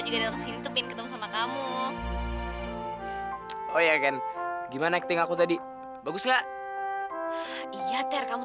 juga di sini tepin ketemu sama kamu oh ya kan gimana kecil aku tadi bagus nggak iya terkamu